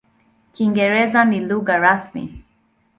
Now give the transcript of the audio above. Kiingereza ni lugha rasmi.